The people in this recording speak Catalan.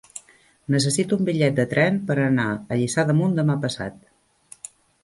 Necessito un bitllet de tren per anar a Lliçà d'Amunt demà passat.